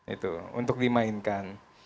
itu untuk dimainkan